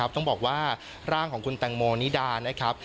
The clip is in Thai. ต้องบอกว่าร่างของคุณแตงโมนิดานะครับ